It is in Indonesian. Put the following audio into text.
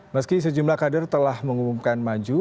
meski sejumlah kader telah mengumumkan maju